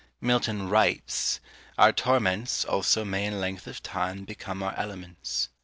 Milton writes, Our torments, also, may in length of time Become our elements.